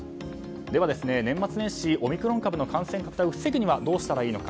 では、年末年始オミクロン株の感染拡大を防ぐにはどうしたらいいのか。